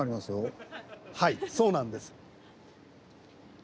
はいそうなんです。